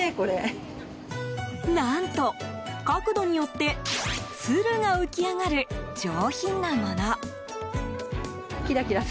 何と、角度によって鶴が浮き上がる上品なもの。